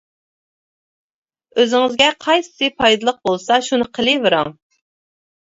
ئۆزىڭىزگە قايسىسى پايدىلىق بولسا شۇنى قىلىۋېرىڭ.